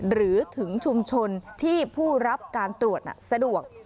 หรือถึงชุมชนที่ผู้รับการตรวจสะดวก